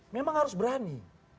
memang harus berani